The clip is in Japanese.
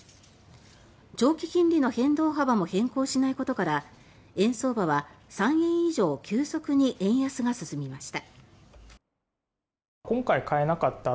長期金利の変動幅も変更しないことから円相場は３円以上円安が進みました。